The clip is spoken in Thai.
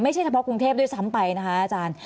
เฉพาะกรุงเทพด้วยซ้ำไปนะคะอาจารย์